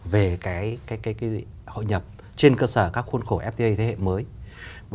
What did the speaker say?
về hội nhập trên cơ sở các khuôn khổ fta thế hệ mới